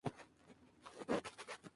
En protesta dejó el virreinato.